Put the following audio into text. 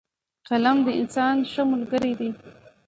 قلم د انسان ښه ملګری دی